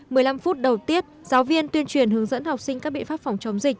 vừa một mươi năm phút đầu tiết giáo viên tuyên truyền hướng dẫn học sinh các bị phát phòng chống dịch